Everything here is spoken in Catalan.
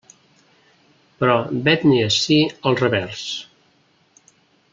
Però vet-ne ací el revers.